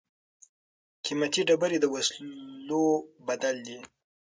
قیمتي ډبرې د وسلو بدل دي.